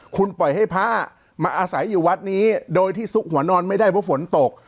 คุณปล่อยให้พระมาอาศัยอยู่วัดนี้โดยที่ซุกหัวนอนไม่ได้เพราะฝนตก